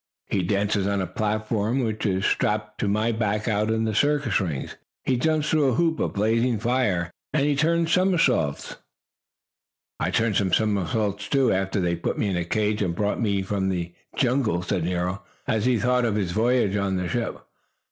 "He dances on a platform, which is strapped to my back out in the circus rings; he jumps through a hoop of blazing fire; and he turns somersaults." "I turned some somersaults too, after they put me in a cage and brought me from the jungle," said Nero, as he thought of his voyage on the ship.